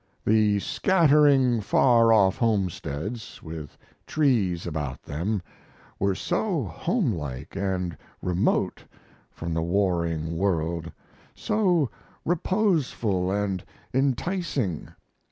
The scattering, far off homesteads, with trees about them, were so homelike and remote from the warring world, so reposeful and enticing.